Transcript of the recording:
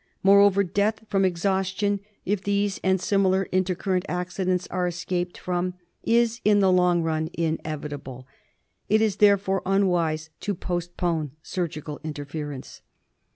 Moreover death from exhaustion, if these and similar intercurrent accidents are escaped from, is in the long run inevitable. It is therefore unwise to postpone surgical interference.